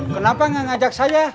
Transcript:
kenapa gak ngajak saya